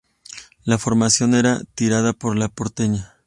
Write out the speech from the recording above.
La formación era tirada por La Porteña.